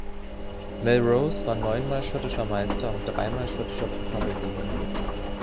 Melrose war neun Mal schottischer Meister und drei Mal schottischer Pokalsieger.